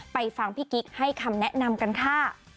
ไปฟังพี่กิ๊กให้คำแนะนำกันค่ะ